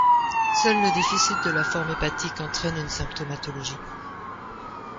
Seule le déficit de la forme hépatique entraîne une symptomatologie.